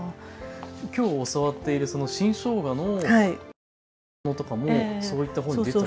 今日教わっている新しょうがの漬物とかもそういった本に出たり。